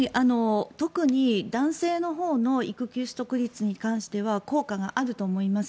特に男性のほうの育休取得率に関しては効果があると思います。